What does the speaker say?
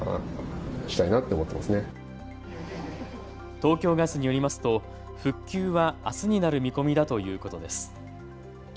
東京ガスによりますと復旧はあすになる見込みだということです。